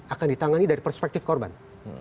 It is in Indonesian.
akan ditangani dari perspektif korban